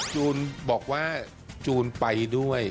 จูนบอกว่าจูนไปด้วย